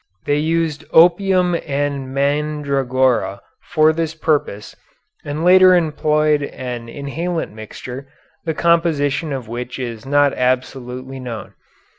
They used opium and mandragora for this purpose and later employed an inhalant mixture, the composition of which is not absolutely known.